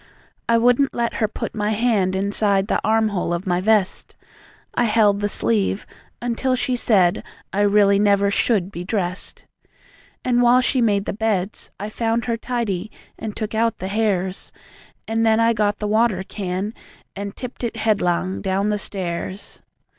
I wouldn't let her put my hand Inside the arm hole of my vest; I held the sleeve until she said I really never SHOULD be dressed. And while she made the beds, I found Her tidy, and took out the hairs; And then I got the water can And tipped it headlong down the stairs.